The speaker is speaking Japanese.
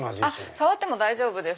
触っても大丈夫です。